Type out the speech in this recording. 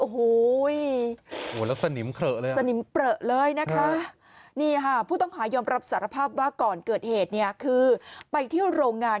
โอ้โหสนิมเผลอเลยนะคะผู้ต้องหายอมรับสารภาพว่าก่อนเกิดเหตุคือไปเที่ยวโรงงาน